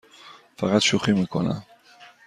فقط شوخی می کنم.